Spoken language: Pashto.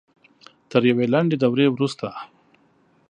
تر یوې لنډې دورې وروسته